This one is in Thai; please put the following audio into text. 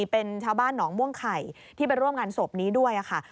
เป็นชาวบ้านหนองม่วงไข่ที่ไปร่วมงานศพนี้ด้วยค่ะ